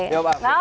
jawab a v